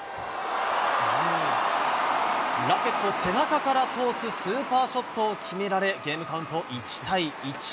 ラケットを背中から通すスーパーショットを決められ、ゲームカウント１対１。